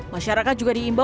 masyarakat juga diimbaukan